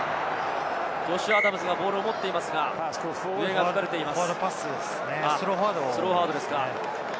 ジョシュ・アダムスがボールを持っていますが、笛が吹かれています。